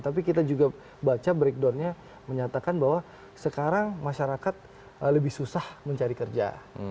tapi kita juga baca breakdownnya menyatakan bahwa sekarang masyarakat lebih susah mencari kerja